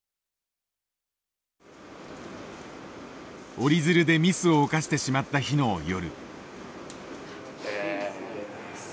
折り鶴でミスを犯してしまった日の夜。